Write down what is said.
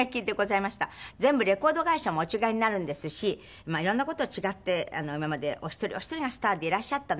全部レコード会社もお違いになるんですし色んな事違って今までお一人お一人がスターでいらっしゃったのに。